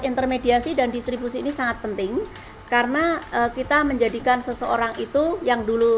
intermediasi dan distribusi ini sangat penting karena kita menjadikan seseorang itu yang dulu